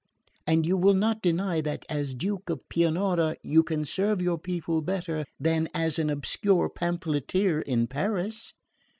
And you will not deny that as Duke of Pianura you can serve your people better than as an obscure pamphleteer in Paris."